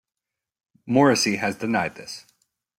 Morrissey has denied this.